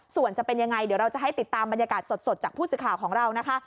ส่วนจะเป็นยังไงเดี๋ยวเราจะให้ติดตามบรรยากาศสดจากผู้สื่อข่าวของเรานะคะ